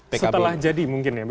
setelah jadi mungkin ya